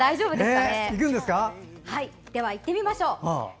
では、いってみましょう。